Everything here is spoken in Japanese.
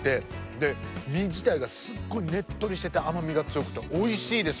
で身自体がすごいねっとりしてて甘みが強くておいしいです。